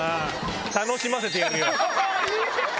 楽しませてやるよ。